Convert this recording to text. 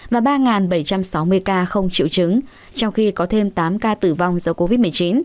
và ba bảy trăm sáu mươi ca không chịu chứng trong khi có thêm tám ca tử vong do covid một mươi chín